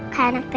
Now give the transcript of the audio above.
kayak anak pekak